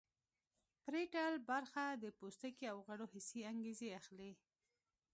پریټل برخه د پوستکي او غړو حسي انګیزې اخلي